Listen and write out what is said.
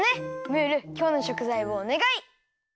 ムールきょうのしょくざいをおねがい！